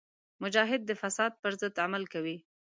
مجاهد د فساد پر ضد عمل کوي.